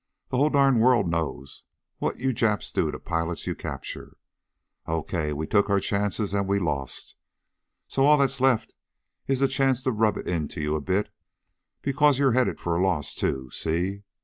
The whole darn world knows what you Japs do to pilots you capture. Okay! We took our chances, and we lost. So all that's left is the chance to rub it into you a bit, because you're headed for a loss, too, see?